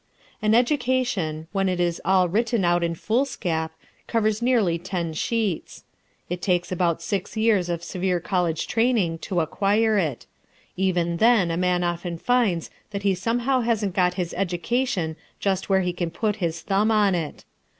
An education, when it is all written out on foolscap, covers nearly ten sheets. It takes about six years of severe college training to acquire it. Even then a man often finds that he somehow hasn't got his education just where he can put his thumb on it.